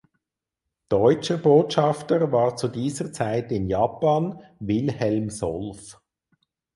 Deutscher Botschafter war zu dieser Zeit in Japan Wilhelm Solf.